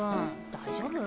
大丈夫？